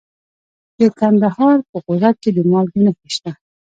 د کندهار په غورک کې د مالګې نښې شته.